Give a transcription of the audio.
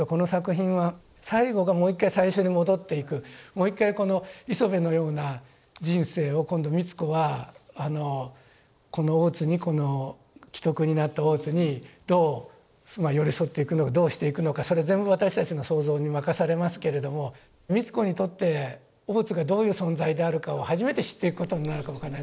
もう一回この磯辺のような人生を今度美津子はこの大津にこの危篤になった大津にどう寄り添っていくのかどうしていくのかそれは全部私たちの想像に任されますけれども美津子にとって大津がどういう存在であるかを初めて知っていくことになるかも分かんないですね。